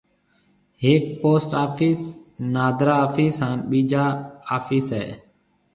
ھيَََڪ پوسٽ آفس ، نادرا آفس ھان ٻيجا آفس ھيََََ